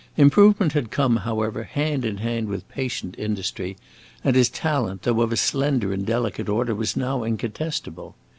Improvement had come, however, hand in hand with patient industry, and his talent, though of a slender and delicate order, was now incontestable.